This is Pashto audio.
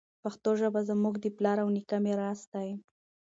پښتو ژبه زموږ د پلار او نیکه میراث دی.